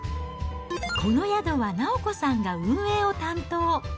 この宿は直子さんが運営を担当。